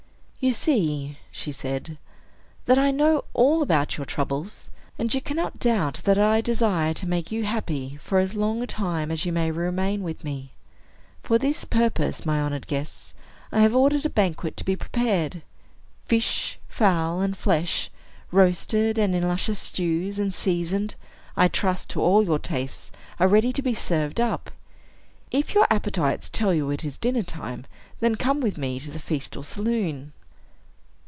"You see," she said, "that I know all about your troubles; and you cannot doubt that I desire to make you happy for as long a time as you may remain with me. For this purpose, my honored guests, I have ordered a banquet to be prepared. Fish, fowl, and flesh, roasted, and in luscious stews, and seasoned, I trust, to all your tastes, are ready to be served up. If your appetites tell you it is dinner time, then come with me to the festal saloon."